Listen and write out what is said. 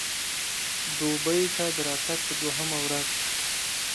دوبۍ ته د راتګ په دوهمه ورځ.